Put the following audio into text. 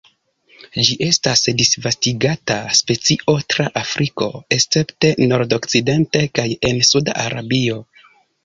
Ĝi estas disvastigata specio tra Afriko, escepte nordokcidente kaj en suda Arabio.